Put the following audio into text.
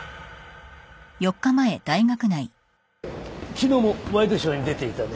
昨日もワイドショーに出ていたね。